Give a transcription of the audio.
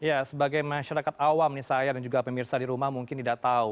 ya sebagai masyarakat awam nih saya dan juga pemirsa di rumah mungkin tidak tahu